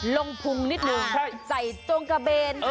พุงนิดนึงใส่จงกระเบน